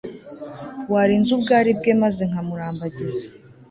warinze ubwari bwe maze nkamurambagiza